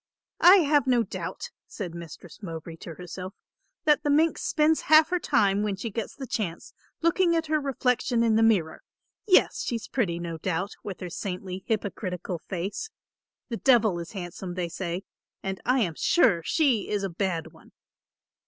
"I have no doubt," said Mistress Mowbray to herself, "that the minx spends half her time when she gets the chance, looking at her reflection in the mirror. Yes, she's pretty, no doubt, with her saintly hypocritical face, the Devil is handsome, they say; and I am sure she is a bad one."